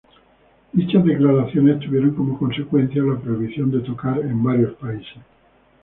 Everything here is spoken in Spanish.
Dichas declaraciones tuvieron como consecuencia la prohibición de tocar en varios países.